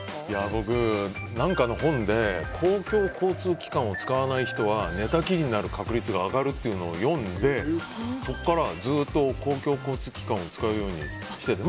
僕、何かの本で公共交通機関を使わない人は寝たきりになる確率が上がるってのを読んでそこからずっと公共交通機関を使うようにしてて。